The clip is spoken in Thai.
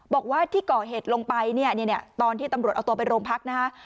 บอกว่าที่ก่อเหตุลงไปเนี่ยตอนที่ตำรวจเอาตัวไปโรงพักนะฮะ